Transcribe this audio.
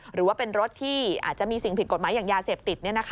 หรือว่าเป็นรถที่อาจจะมีสิ่งผิดกฎหมายอย่างยาเสพติด